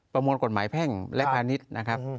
ประมวลกฎหมายแพ่งและพาณิชย์นะครับ